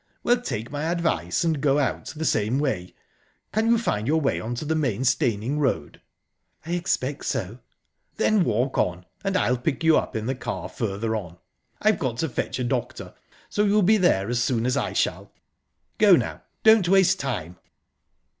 "Well, take my advice, and go out the same way. Can you find your way on to the main Steyning road?" "I expect so." "Then walk on, and I'll pick you up in the car further on. I've got to fetch a doctor, so you'll be there as soon as I shall...Go now don't waste time."